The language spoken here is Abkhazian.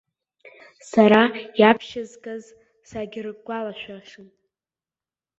Сара, иаԥшьызгаз, сагьыргәалашәашам.